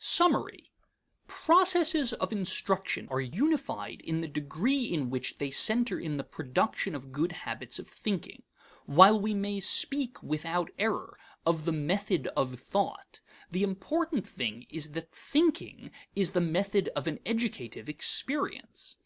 Summary. Processes of instruction are unified in the degree in which they center in the production of good habits of thinking. While we may speak, without error, of the method of thought, the important thing is that thinking is the method of an educative experience.